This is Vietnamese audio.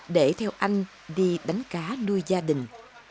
để theo anh đi đánh cá nuôi gia đình